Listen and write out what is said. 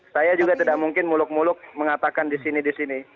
saya juga tidak mungkin muluk muluk mengatakan di sini di sini